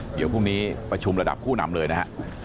เดี๋ยวพรุ่งนี้ประชุมระดับผู้นำเลยนะฮะ